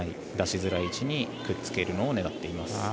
出しづらい位置にくっつけるのを狙っています。